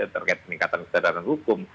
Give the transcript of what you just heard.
terkait peningkatan kecederan hukum